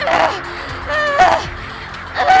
apa yang terjadi